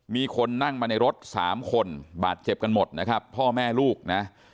มีคนนั่งมาในรถสามคนบาดเจ็บกันหมดนะครับพ่อแม่ลูกนะ